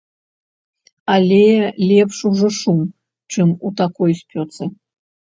Але лепш ужо шум, чым у такой спёцы.